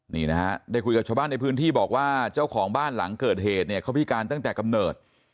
นี่นะฮะได้คุยกับชาวบ้านในพื้นที่บอกว่าเจ้าของบ้านหลังเกิดเหตุเนี่ยเขาพิการตั้งแต่กำเนิด